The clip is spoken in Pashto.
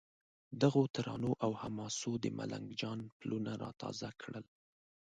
دغو ترانو او حماسو د ملنګ جان پلونه را تازه کړل.